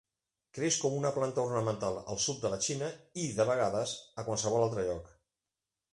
Creix com una planta ornamental al sud de la Xina i, de vegades, a qualsevol altre lloc.